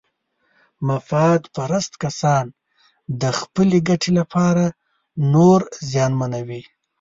مفاد پرست کسان د خپلې ګټې لپاره نور زیانمنوي.